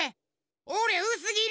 おれうすぎり！